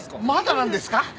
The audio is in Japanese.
まだなんですか！？